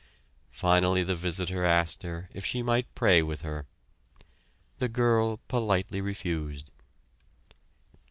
Finally the visitor asked her if she might pray with her. The girl politely refused.